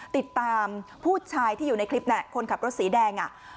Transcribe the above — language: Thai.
ติดตามผู้ชายที่อยู่ในคลิปน่ะคนขับรถสีแดง